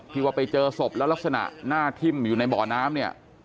ว่าไปเจอศพแล้วลักษณะหน้าทิ่มอยู่ในบ่อน้ำเนี่ย